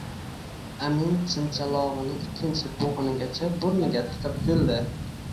Amin chinchalog‘ini ikkinchi bo‘g‘inigacha burniga tiqib kuldi